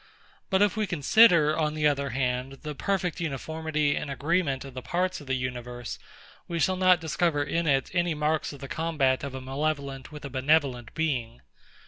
But if we consider, on the other hand, the perfect uniformity and agreement of the parts of the universe, we shall not discover in it any marks of the combat of a malevolent with a benevolent being.